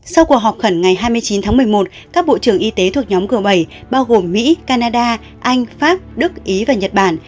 sau cuộc họp khẩn ngày hai mươi chín tháng một mươi một các bộ trưởng y tế thuộc nhóm g bảy bao gồm mỹ canada anh pháp đức ý và nhật bản